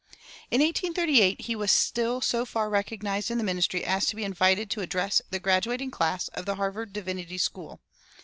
In 1838 he was still so far recognized in the ministry as to be invited to address the graduating class of the Harvard Divinity School.